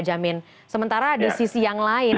karena di sisi yang lain